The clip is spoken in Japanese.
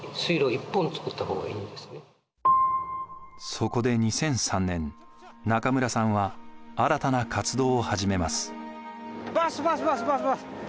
そこで２００３年中村さんは新たな活動を始めます。